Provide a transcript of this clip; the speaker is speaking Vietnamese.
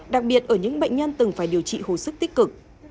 đặc biệt ở những bệnh nhân từng phải điều trị hồi sức tích cực